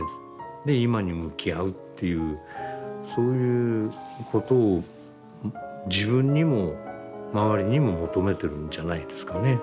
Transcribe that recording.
で今に向き合うっていうそういうことを自分にも周りにも求めてるんじゃないですかね。